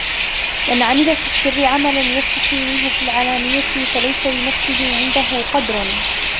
مَنْ عَمِلَ فِي السِّرِّ عَمَلًا يَسْتَحِي مِنْهُ فِي الْعَلَانِيَةِ فَلَيْسَ لِنَفْسِهِ عِنْدَهُ قَدْرٌ